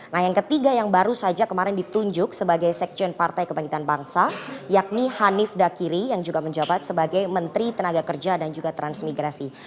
nah yang ketiga yang baru saja kemarin ditunjuk sebagai sekjen partai kebangkitan bangsa yakni hanif dakiri yang juga menjabat sebagai menteri tenaga kerja dan juga transmigrasi